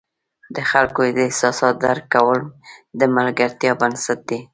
د خلکو د احساساتو درک کول د ملګرتیا بنسټ دی.